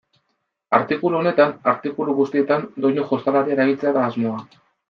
Artikulu honetan, artikulu guztietan, doinu jostalari erabiltzea da asmoa.